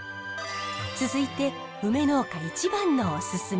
続いてウメ農家一番のおすすめ。